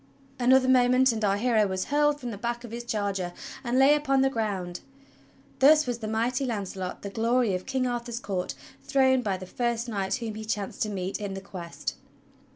Another moment and our hero was hurled from the back of his charger and lay upon the ground. Thus was the mighty Launcelot, the glory of King Arthur's court, thrown by the first knight whom he chanced to meet in the Quest!